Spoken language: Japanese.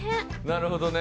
なるほどね。